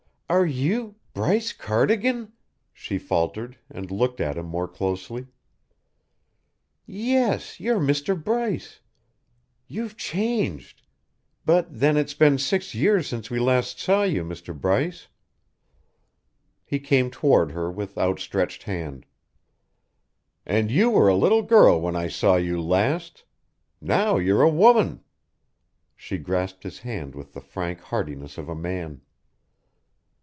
"Are you Bryce Cardigan?" she faltered, and looked at him more closely. "Yes, you're Mr. Bryce. You've changed but then it's been six years since we saw you last, Mr. Bryce." He came toward her with outstretched hand. "And you were a little girl when I saw you last. Now you're a woman." She grasped his hand with the frank heartiness of a man.